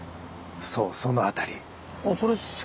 そうその辺り。